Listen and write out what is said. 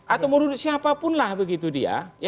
atau menurut siapapunlah begitu dia